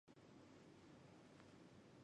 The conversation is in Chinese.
维奇猪笼草是婆罗洲特有的热带食虫植物。